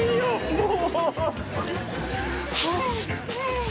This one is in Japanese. もう。